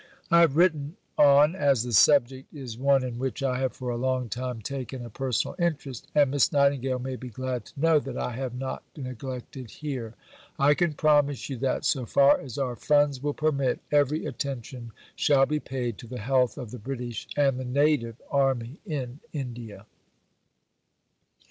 I have written on, as the subject is one in which I have for a long time taken a personal interest, and Miss Nightingale may be glad to know that I have not neglected it here. I can promise you that, so far as our funds will permit, every attention shall be paid to the health of the British and the Native Army in India.